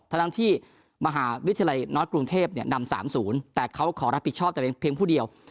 ทั้งที่มหาวิทยาลัยนอร์ดกรุงเทพฯเนี่ยนำสามศูนย์แต่เขาขอรับผิดชอบแต่เป็นเพลงผู้เดียว